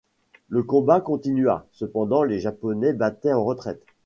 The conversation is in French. Le combat continua, cependant les Japonais battaient en retraite.